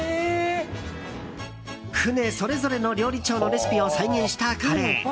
船それぞれの料理長のレシピを再現したカレー。